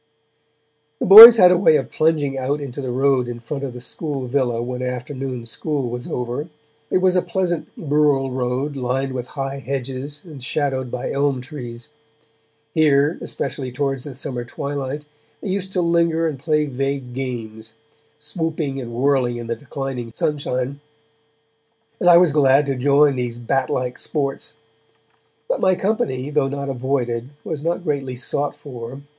The boys had a way of plunging out into the road in front of the school villa when afternoon school was over; it was a pleasant rural road lined with high hedges and shadowed by elm trees. Here, especially towards the summer twilight, they used to linger and play vague games, swooping and whirling in the declining sunshine, and I was glad to join these bat like sports. But my company, though not avoided, was not greatly sought for.